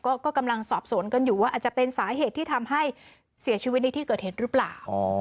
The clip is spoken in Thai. ก็กำลังสอบสวนกันอยู่ว่าอาจจะเป็นสาเหตุที่ทำให้เสียชีวิตในที่เกิดเหตุหรือเปล่า